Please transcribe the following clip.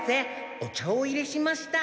お茶をおいれしました。